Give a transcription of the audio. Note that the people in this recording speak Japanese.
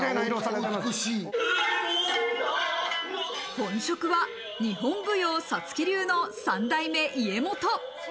本職は日本舞踊・五月流の３代目家元。